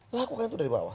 lakukan itu dari bawah